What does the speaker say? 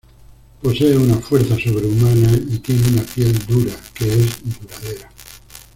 Posee una fuerza sobrehumana y tiene una piel dura que es duradera.